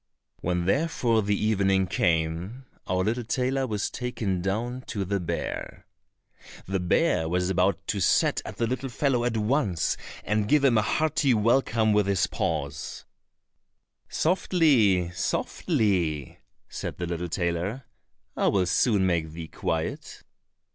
When therefore the evening came, our little tailor was taken down to the bear. The bear was about to set at the little fellow at once, and give him a hearty welcome with his paws: "Softly, softly," said the little tailor, "I will soon make thee quiet."